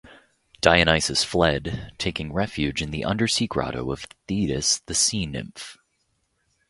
Dionysus fled, taking refuge in the undersea grotto of Thetis the sea nymph.